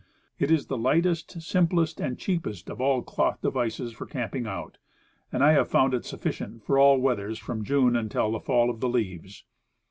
It is the lightest, simplest and cheapest of all cloth devices for camping out, and I have found it sufficient for all weathers from June until the fall of the leaves.